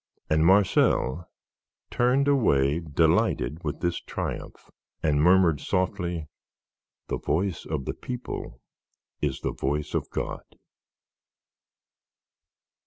And Marcel turned away delighted with this triumph, and murmured softly: "The voice of the people is the voice of God!"